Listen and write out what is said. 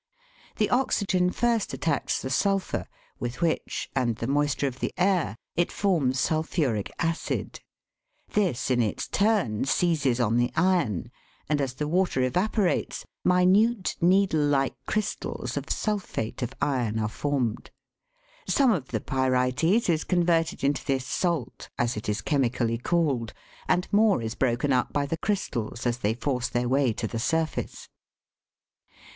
The oxygen first attacks the sulphur, with which, and the moisture of the air, it forms sulphuric acid. This, in , its turn, seizes on the iron, and as the water evaporates, minute needle like crystals of sulphate of iron are formed. Some of the pyrites is converted into this " salt," as it is chemically called, and more is broken up by the crystals as they force their way to the surface.